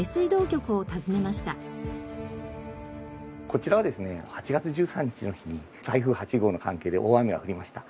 こちらはですね８月１３日の日に台風８号の関係で大雨が降りました。